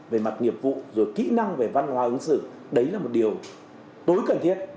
về mặt nghiệp vụ rồi kỹ năng về văn hóa ứng xử đấy là một điều tối cần thiết